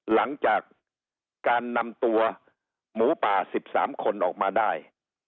หลังจากการนำตัวหมูป่า๑๓คนออกมาได้